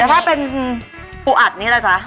แล้วถ้าเป็นปูอัดนี้ล่ะจ๊ะ